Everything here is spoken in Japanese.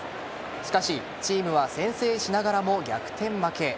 しかしチームは先制しながらも逆転負け。